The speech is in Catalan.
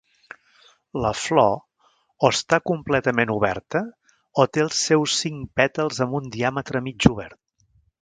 La flor o està completament oberta o té els seus cinc pètals amb un diàmetre mig obert.